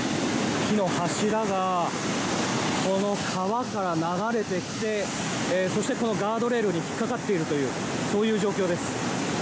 木の柱がこの川から流れてきてそしてガードレールに引っかかっているという状況です。